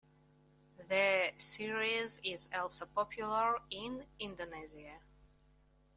The series is also popular in Indonesia.